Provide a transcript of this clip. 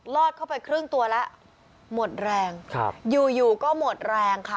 อดเข้าไปครึ่งตัวแล้วหมดแรงครับอยู่อยู่ก็หมดแรงค่ะ